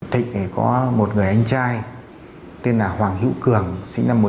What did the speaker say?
thịnh có một người anh trai tên là hoàng hữu cường sinh năm một nghìn chín trăm bảy mươi bảy